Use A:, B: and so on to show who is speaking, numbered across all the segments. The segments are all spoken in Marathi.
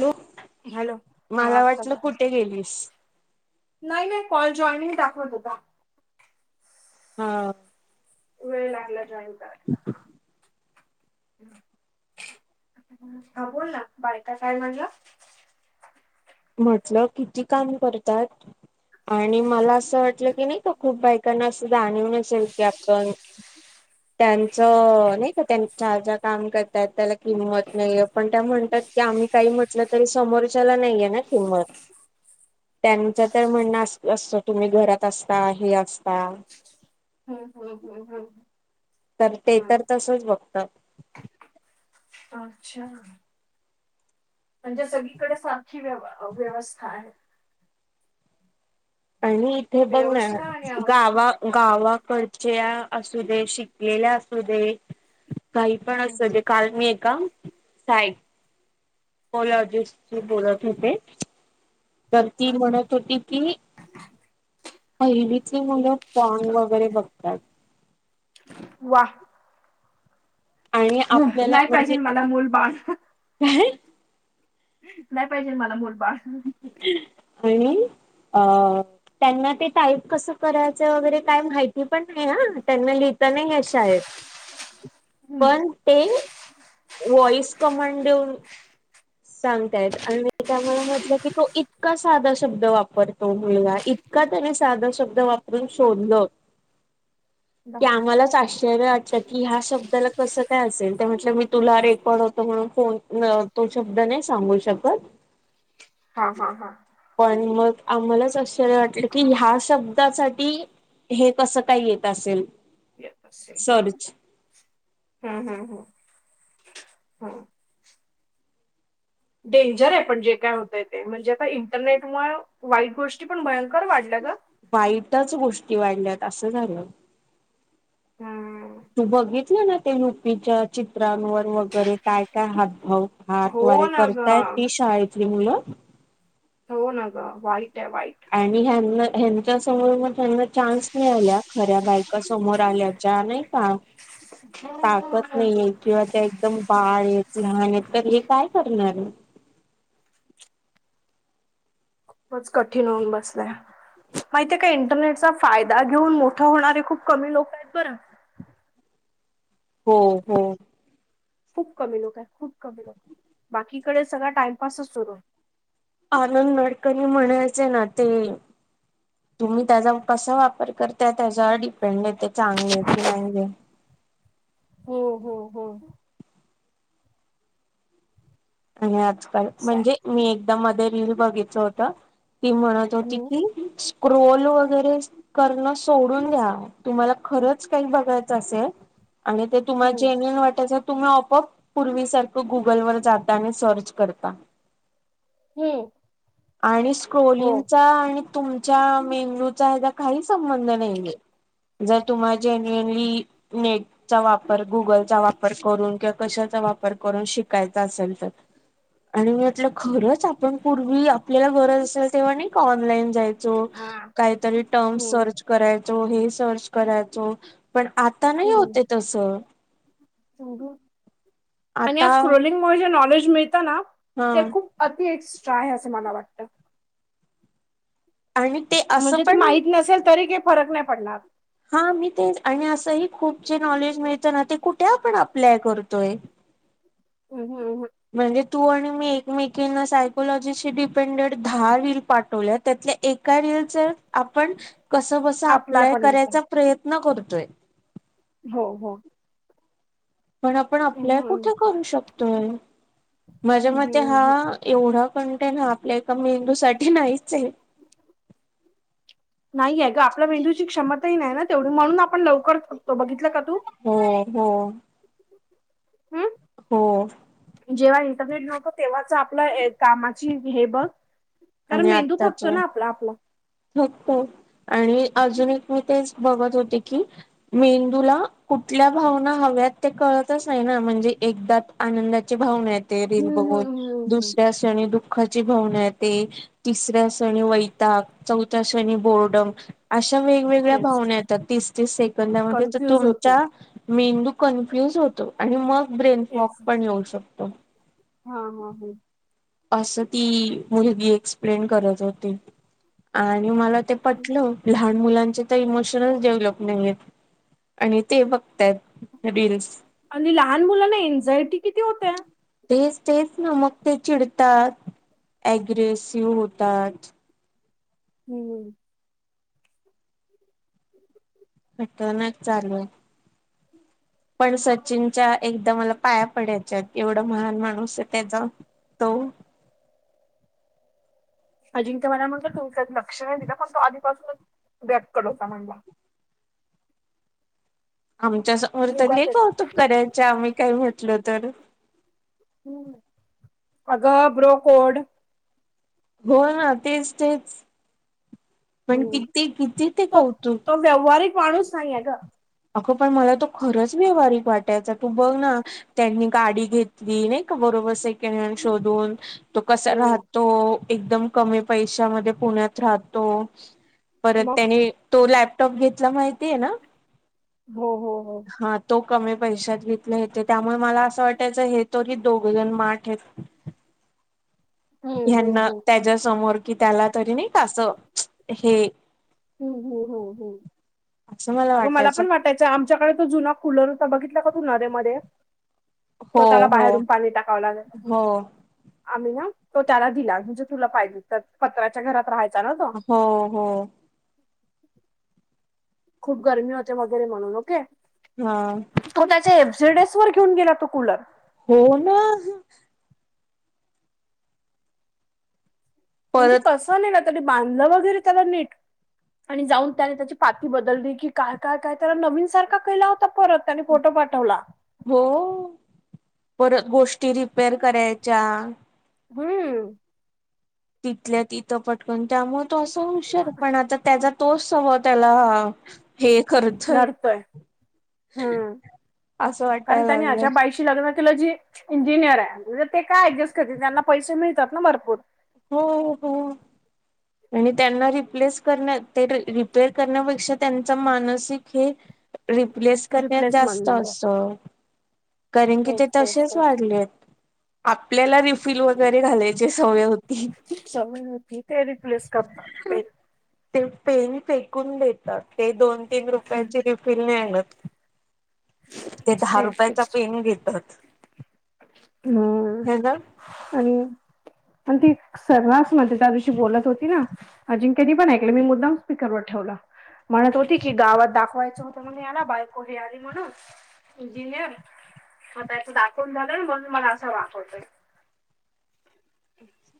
A: हॅलो
B: हॅलो हा
A: मला
B: आत्ता
A: वाटलं कुठे गेलीस.
B: नाय नाय कॉल जॉईनिंग दाखवत होता.
A: हा.
B: वेळ लागला जॉईन करायला
A: [inaudible]
B: हा बोल ना बायका काय म्हणला?
A: म्हटलं किती काम करतात. आणि मला असं वाटलं की नाई का खूप बायकांना असं जानिव नसेल की आपण त्यांचं नाई का त्यांच्या ज्या काम करतात त्याला किंमत नाय पण त्या म्हणतात कि आम्ही काही म्हटलं तरी समोरच्याला नाहीये ना. किंमत त्यांच तर म्हण असल असं. तुम्ही घरात असता हे असता.
B: हम हम हम हम.
A: तर ते तर तसच बघत.
B: अच्छा. म्हणजे सगळीकडे सारखी व्य व्यवस्था आहे.
A: आणि इथे बघ ना
B: व्यवस्था आणि अवस्था
A: गावा. गावाकडच्या असू दे शिकलेल्या असू दे. काही पण
B: हम्म
A: अस ते काल मी आहे का साईड. सायकोलॉजिस्ट शी बोलत होते तर ती
B: हम्म
A: म्हणत. ती तू की पहिलीचे मुलं फॉग वगैरे बघतात.
B: व.
A: आणि आपल्याला
B: नाही पाहिजे
A: म्हणजे
B: मला मूल बाळ.
A: काय
B: नाही पाहिजे मला मुल बाळ.
A: बाई अ. त्यांना ते टाईप कसं करायचं वगैरे काय माहिती पण नाही ना त्यांना लिहिता नाही शाळेत.
B: हम्म
A: पण ते वॉइस कमांड देऊन. सांगतायत आणि त्यामुळे म्हटलं की तो इतका साधा शब्द वापरतो मुलगा इतका. इतका का त्याने साधा शब्द वापरून शोधलं. की
B: दाखवते.
A: आम्हालाच आश्चर्य चक्कीत. की ह्या शब्दाला कसं काय असेल ते म्हटलं मी तुला रेकॉर्ड होतो म्हणून फोन न. तो शब्द नाही सांगू शकत.
B: हा हा हा,
A: पण मग आम्हालाच असश वाटलं की ह्या शब्''--'' ब्दासाठी हे कसं काही येत असेल.
B: हा
A: सर्च
B: हा हा हा हा, डेंजर आहे पण जे काय होतय ते म्हणजे आता इंटरनेटमुळे. वाईट गोष्टी पण भयंकर वाढल्या ग.
A: वाईटच गोष्टी वाढल्यात असं झालं.
B: हम.
A: तु बघितलं. ना ते रुपीच्या चित्रांवर वगैरे काय काय हातभाव. हा
B: हो
A: त्वरे
B: ना ग
A: करताय ती शाळेतली मुलं.
B: हो ना ग वाईट आहे वा्हाईट.
A: आणि ह्यांना ह्यांच्या समोर मग त्यांना चान्स आल्या. खऱ्या बायका समोर आल्याच्या नाही का ताकत
B: खूपच
A: नाहीय. किंवा ते एकदम बाळ आहेत लहान आहेत तर हे काय करणार.
B: खूपच कठीण होऊन बसलाय. माहितीे काय इंटरनेटचा फायदा घेऊन मोठे होणारे खूप कमी लोक आहेत बरं.
A: हो हो,
B: खूप कमी लोक आहे खूप कमी लोक बाकीकडे सगळा टाइमपासच सुरू.
A: आनंद गडकरी म्हणायचे ना ते. तुम्ही त्याचा कसा वापर करता त्याच्यावर डिपेंड आहे ते चांगले की नाहीे.
B: हो हो हो,
A: आणि आजकाल
B: सा-
A: म्हणजे मी एकदा मध्ये रील बघितल होत ती म्हणत होती
B: हम्म,
A: की स्क्रोल वगैरे करण सोडून घ्या तुम्हाला खरच काय बघायचं असेल आणि ते तुम्हाला
B: हम्म,
A: जेन्यूअन वाटायचं तुम्ही आपोआप पूर्वीसारखं गुगल वर जाता आणि सर्च करता.
B: हो.
A: आणि स्क्रोलिंगचा आणि तुमच्या मेंदूचा हेजा काही संबंध नाई ए. जर तुम्हा जेन्युअली नेट चा वापर गुगलचा वापर करून किंवा कशाचा वापर करून शिकायचा असेल तर आणि मी म्हटलं खरंच आपण पूर्वी आपल्याला गरज असेल तेव्हा नाई का ऑनलाईन जायचो
B: हा
A: कायतरी टर्म
B: हम्म,
A: सर्च करायचो हे सर्च करायचो पण आता नाही
B: हम्म,
A: होते तस.
B: आणि
A: आता
B: आज स्क्रोलिंग मूळ जे नॉलेज मिळत ना
A: हा
B: ते खूप अति एक्ट्रा आहे असं मला वाटतं.
A: आणि ते असं
B: म्हणजे ते
A: पण
B: माहीत नसेल तरी काय फरक नाय पडणार.
A: हा मी तेच आणि असंही खूप जे नॉलेज मिळतं ना ते कुठे आपण अप्लाय करतोय?
B: हम् हम्.
A: म्हणजे तू आणि मी एकमेकीना सायकोलॉजीशी डिपेंडेड दहा रील पाठवले त्यातले एका रिल च आपण कस बस
B: आपला
A: अप्लाय
B: पण नाही
A: करायचा
B: पडणार
A: प्रयत्न करतोय.
B: हो हो.
A: पण आपण अप्लाय
B: हम्म,
A: कुठे करू शकतोय? माझ्या मते हा
B: हम्म.
A: एवढं कंटेंन हा आपल्या एका मेंदूसाठी नाहीच ए.
B: नाहीया ग आपल्या मेंदूची क्षमताही नाही ना तेवढी म्हणून आपण लवकर करतो. बघितलं का तू?
A: हो हो.
B: हम्म
A: हो.
B: जेव्हा इंटरनेट नव्हतो तेव्हाच आपलं कामाची हे बघ. कारण
A: आणि
B: मेंदू थकतो
A: आत्ताचे
B: ना आपला आपला.
A: थकतो आणि अजून एक मी तेच बघत होते की मेंदूला कुठल्या भावना हव्यात ते कळतच नाही ना म्हणजे एकदा आनंदाची भावना येते रील
B: हम्म, हम्म,
A: बघून
B: हम्म, हम्म.
A: दुसऱ्यास क्षणी दुःखाची भावना येते तिसऱ्या शनि वैताग. चौथ्या क्षणी बोर्डम अशा वेळी वेगवेगळ्या
B: तेच
A: भावना येतात तीस तीस सेकंदामध्ये तर
B: कन्फ्यूज होतो
A: तुमच्या मेंदू कन्फ्युज होतो. आणि मग ब्रेनफॉक पण येऊ शकतो.
B: हा हा हा.
A: असं ती मुलगी एक्सप्लेन करत होती आणि मला ते पटलं. लहान मुलांचे त इमोशनच डेव्हलप नाहीयेत. आणि ते बघतायत रिल्स.
B: आणि लहान मुलांना एनझायटी किती होते.
A: तेच तेच ना मग ते चिडतात अग्रेसिव्ह होतात.
B: हम्.
A: पटनच चालू आय. पण सचिनच्या एकदा मला पाया पडायच्यात एवढा महान माणूस त्याचा तो
B: अजिंक्य मला म्हणला तुमत लक्ष एकदा पण तो आधीपासूनच बॅक करत होता म्हणला.
A: आमच्या समोरच्या लई
B: उगाचच
A: कौतुक करायच्या, आम्ही काई म्हंटल तर.
B: ह्, अगं ब्रोकोड.
A: हो हं तेच-तेच. पण
B: हम्म
A: किती-किती ते,
B: तो
A: कौतुक.
B: तो व्यावहारिक माणूस नाहीेये गं.
A: अगं पण मला तो खरंच व्यावहारिक वाटायचा, तू बघ ना त्यांनी गाडी घेतली, नही का बरोबर, सेकंड हँड शोधून. तो कसा
B: हम्म
A: राहतो, एकदम कमी पैशामध्ये पुण्यात राहतो. परत
B: मग
A: त्याने, तो लॅपटॉप घेतला, माहितीये ना?
B: हो हो हो.
A: हा तो कमी पैशात घेतले हेतें, त्यामुळे मला असं वाटायचं, हे तरी दोघजण माठ येत.
B: हम्म हम्म
A: ह्याना
B: हम्म
A: त्याच्या समोर, कि त्याला तरी नही क असं, हे
B: ह्म ह्म ह्म,
A: असं
B: अगं मला
A: वाटायचं
B: पण वाट त्याच्या आमच्याकड तो जुना कुलर होता, बघितला का नद्या मध्ये.
A: हो
B: तो त्याला
A: हो
B: बाहेरून, पाणी टाकावं लागल.
A: हो.
B: आम्ही ना, तो त्याला दिला, म्हणजे तुला पाहिजे त पत्राच्या घरात राहायचा ना, तो.
A: हो हो.
B: खूप गरमी होते वगैरे, म्हणून ओके.
A: हं.
B: तो त्याच्या एफझेडएस वर घेऊन गेला, तो कूलर.
A: हो ना.
B: म्हणजे
A: परत
B: कसं नेला, त्याने बांधलं वगैरे त्याला नीट. आणि जाऊन त्याने त्याची पाती बदलली की काय, काय-काय त्याला नवीन सारखा केला होता, परत. त्यांनी फोटो पाठवला.
A: हों, परत गोष्टी रिपेर करायच्या.
B: हम्म.
A: तिथल्या तिथं, पटकन त्यामुळ तो असा हुशार, पण आता त्याचा तोच स्वभाव त्याला हे करतोय,
B: लढतोय हम्म
A: असं वाटायला लागलंय.
B: शी लग्न केलं जी, इंजिनियर अय म्ह ते काय ऍडजस्ट करतील, त्यांना पैसे मिळतात ना भरपूर.
A: हो हो. आणि त्यांना रिप्लेस करने, ते रिपेर करण्यापेक्षा त्यांचा मानसिक हे रिप्लेस करण्यात जास्त
B: रिप्लेसमेंट मध्ये
A: अस, कारण की
B: तेच
A: ते
B: तेच
A: तसशेच
B: तेच
A: वाढलेत. आपल्याला रिफिल वगैरे घालायची, सवय होती.
B: [unintelligible] होती, ते रिप्लेस करता पेन
A: ते पेन फेकून देतात, ते दोन तीन
B: हम्म
A: रुपयाची रिफिल नही आणत. ते दहा रुपयाचा, पेन घेतात.
B: हम्
A: हे ना
B: आणि पण ती सररासमध्ये, त्या दिवशी बोलत होती ना. अजिंक्यनी पण ऐकलं, मी मुद्दाम स्पीकरवर ठेवला, म्हणत होती की, गावात दाखवायचं होत. म्हणे याला बायको हे आली म्हणुन, इंजिनियर म त्याच दाखवून झा नही, म्हणून मला असा वापरतोय.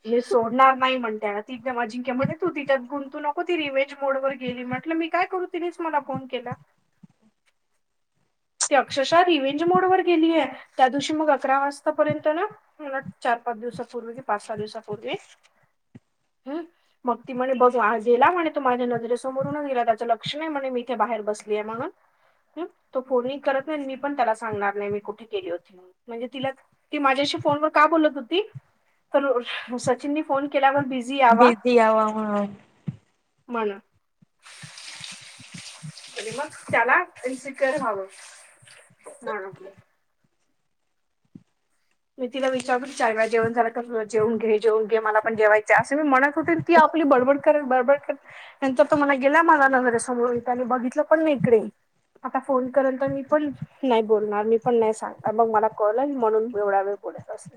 B: हे सोडणार नाही म्हणते ना, ती एक अजिंक्या म्हण तू तिच्यात गुंतू नको, ती रिमेज मोड वर गेली, म्हटलं मी काय करू, तिनीच मला फोन केला.
A: [inaudible]
B: ते अक्षशः रिवेंज मोड वर गेलीये त्या दिवशी मग अकरा वाजतापर्यंत ना मला चार-पाच दिवसापूर्वी कि पाच-सहा दिवसापूर्वी हम्म मग ती म्हणे बघ आत गेला म्हणे तो माझ्या नजरेसमोरूनच गेला त्याचं लक्षण नाही म्हणे मी इथे बाहेर बसली आहे म्हणून हम्म तो फोनही करत नाही अन मी पण त्याला सांगणार नाही मी कुठे केली होती म्हणून म्हणजे तिला ती माझ्याशी फोनवर का बोलत होती तर सचिननी फोन केल्यावर बीझ
A: बिझी यावा म्हणून
B: मला आणि मग त्याला इनसेंक्यूअर व्हावं मी तिला विचारलं चार वेळा जेवण झालं काय जेवून घे जेवून घे मला पण जेवायचंय असं मी म्हणत हो ती आपली बडबड बडबड करत नंतर तो मला गेला माझ्या नजरे समोर त्याने बघितलं पण नाही इकडे आता फोन करल तर मी पण नाही बोलणार मी पण नाही सांगणार मग मला कॉल आहे म्हणून एवढा वेळ बोलत असल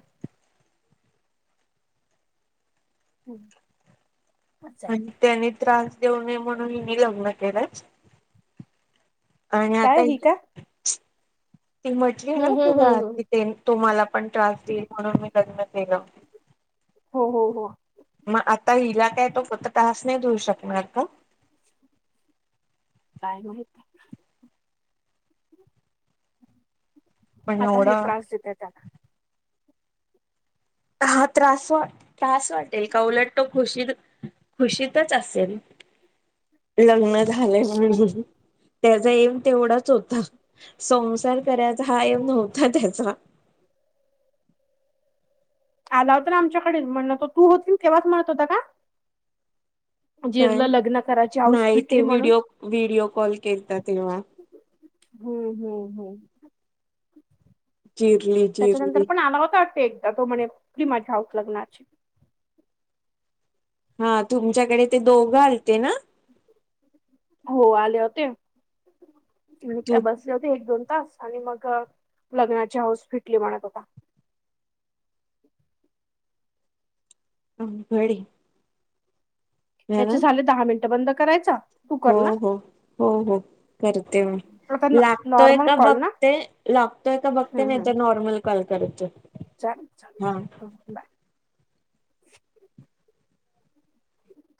B: हम्म अच्छा.
A: आणि त्याने त्रास देऊ नये म्हणून हिने लग्न केलं आणि आता
B: काय ही का?
A: हीं ती म्हटली ना
B: हम्म हम्म
A: तुला
B: हम्म हम्म.
A: कि ते तुम्हाला पण त्रास देईल म्हणून मी लग्न केलं
B: हो हो हो
A: मग आता हिला काय तो [unintelligible] त्रास नाही देवू शकणार का?
B: काय माहित
A: पण
B: आता हे
A: एवढा
B: त्रास देते त्या
A: हा त्रास वाट त्रास वाटेल का उलट तो खुशी खुशीतच असेल लग्न झालंय म्हणून त्याचा एम तेवढाच होता संसार करायचा हा एम नव्हता त्याचा
B: आला होता आमच्याकडे म्हण तो तू होतील तेव्हाच म्हणत होता का?
A: काय
B: जिरलं लग्न करायची हाऊस
A: नाही ते
B: फिटली म्हणून.
A: व्हिडिओ व्हिडिओ कॉल केलता तेव्हा
B: हम्म हम्म हम्म
A: चिरली
B: त्याच्यानंतर
A: चिरली
B: पण आला होता वाटत एकदा तो म्हणे फिटली माझी हाऊस लग्नाची
A: हा तुमच्याकडे ते दोघं आलते ना
B: हो आले होते मी काय
A: तू
B: बस ळे होते एक दोन तास आणि मग लग्नाची हौस फिटली म्हणत होता
A: अवघड हे
B: याचे झाले दहा मिनिटं बंद करायचा तू कर
A: हो
B: ना
A: हो हो हो करते मी
B: आता
A: लागतोय
B: नॉर्मल
A: का
B: कॉल ना
A: बघते लागतोय का बघते
B: हम्म
A: नाही तर
B: हम्म
A: नॉर्मल कॉल करतो
B: चालेल चालेल हो बाय